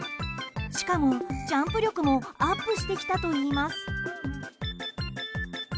しかも、ジャンプ力もアップしてきたといいます。